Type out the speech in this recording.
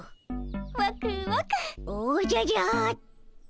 おじゃじゃっと。